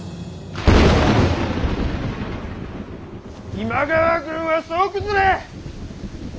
今川軍は総崩れ！